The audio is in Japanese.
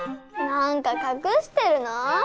なんかかくしてるなぁ。